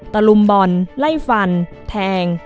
ตะลุมบ่นไล่ฟันแทง